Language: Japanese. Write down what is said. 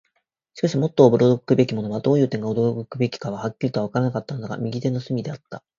しかし、もっと驚くべきものは、どういう点が驚くべきかははっきりとはわからなかったのだが、右手の隅であった。